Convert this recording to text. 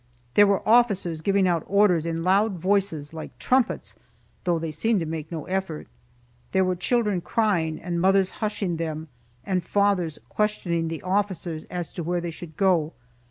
There were officers giving out orders in loud voices, like trumpets, though they seemed to make no effort. There were children crying, and mothers hushing them, and fathers questioning the officers as to where they should go.